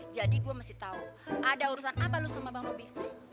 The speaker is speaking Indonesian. jadi gue mesti tahu ada urusan apa lo sama abang robby